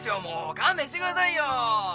勘弁してくださいよ！